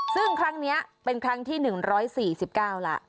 ซึ่งครั้งนี้เป็นครั้งที่๑๔๙ละ